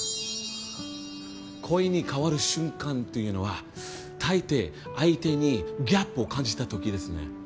恋に変わる瞬間というのはたいてい相手にギャップを感じた時ですね。